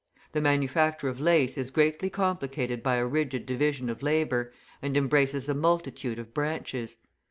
The manufacture of lace is greatly complicated by a rigid division of labour, and embraces a multitude of branches.